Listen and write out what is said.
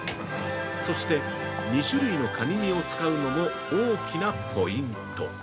そして２種類のカニ身を使うのも大きなポイント！